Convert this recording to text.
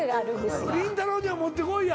りんたろー。にはもってこいや。